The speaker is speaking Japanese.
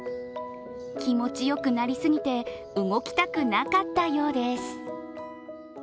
気持ちよくなりすぎて、動きたくなかったようです。